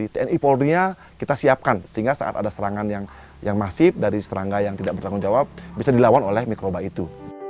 tni polonia kita siapkan sehingga saat ada serangan yang masif dari serangga yang tidak bertanggung jawab bisa dilawan oleh mikroba itu